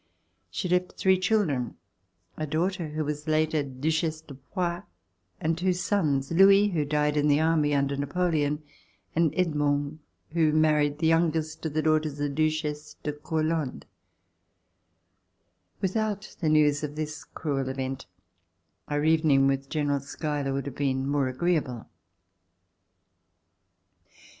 She left three children, a daughter who was later Duchesse de Poix, and two sons : Louis, who died in the army under Napoleon, and Edmond who married the youngest of the daughters of the Duchesse de Courlande. Without the news of this cruel event, our evening with General Schuyler would have been more agreeable.